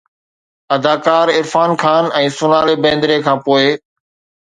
اداڪار عرفان خان ۽ سونالي بيندري کان پوءِ